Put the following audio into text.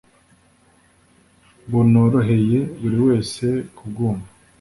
bunoroheye buri wese kubwumva”